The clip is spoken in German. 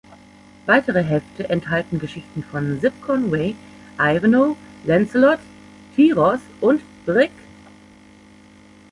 Weitere Hefte enthalten Geschichten von Sip Conway, Ivanhoe, Lancelot, Tyros, und Brik.